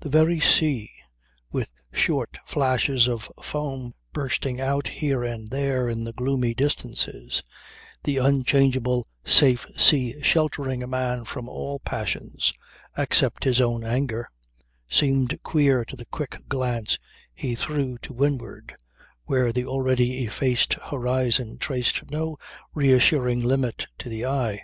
The very sea, with short flashes of foam bursting out here and there in the gloomy distances, the unchangeable, safe sea sheltering a man from all passions, except its own anger, seemed queer to the quick glance he threw to windward where the already effaced horizon traced no reassuring limit to the eye.